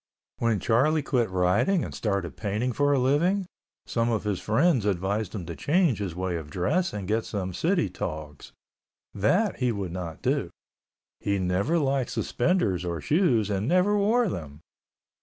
When Charlie quit riding and started painting for a living, some of his friends advised him to change his way of dress and get some city togs. That he would not do. He never liked suspenders or shoes and never wore them.